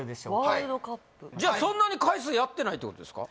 ワールドカップじゃあそんなに回数やってないってことですか？